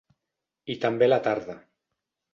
I també a la tarda.